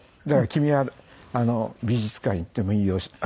だから君は美術館行ってもいいよ